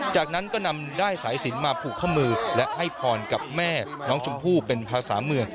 จากนั้นก็นำได้สายสินมาผูกข้อมือและให้พรกับแม่น้องชมพู่เป็นภาษาเมือง